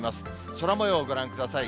空もようご覧ください。